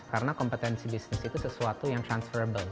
karena kompetensi bisnis itu sesuatu yang transferable